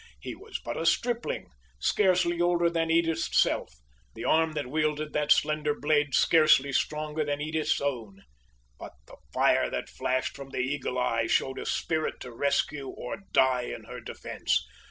He was but a stripling, scarcely older than Edith's self the arm that wielded that slender blade scarcely stronger than Edith's own but the fire that flashed from the eagle eye showed a spirit to rescue or die in her defense.